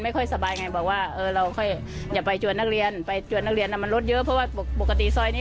มีวันเดียวที่เราออกมา